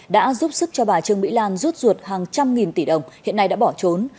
đã giúp sức cho bà trương mỹ lan rút ruột hàng trăm nghìn tỷ đồng hiện nay đã bỏ trốn